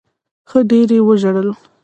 ښه ډېر وژړل.